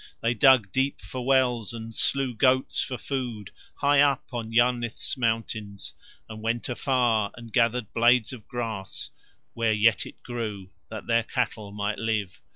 They dug deep for wells, and slew goats for food high up on Yarnith's mountains and went afar and gathered blades of grass, where yet it grew, that their cattle might live.